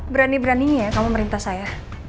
berani beraninya kamu minta saya